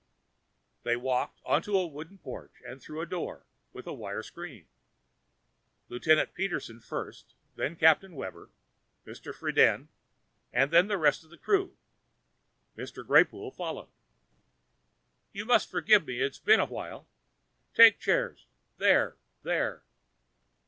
They walked onto a wooden porch and through a door with a wire screen; Lieutenant Peterson first, then Captain Webber, Mr. Friden and the rest of the crew. Mr. Greypoole followed. "You must forgive me it's been a while. Take chairs, there, there.